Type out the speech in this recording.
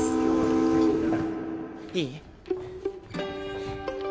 いい？